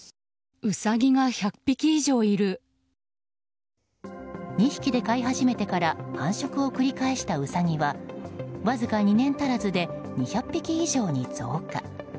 ２匹で飼い始めてから繁殖を繰り返したウサギはわずか２年足らずで２００匹以上に増加。